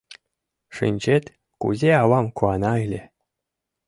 Шинчет, кузе авам куана ыле.